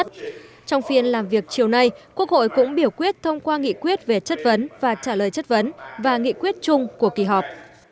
trong phiên làm việc chiều nay quốc hội cũng biểu quyết thông qua nghị quyết về chất vấn và trả lời chất vấn và nghị quyết chung của kỳ họp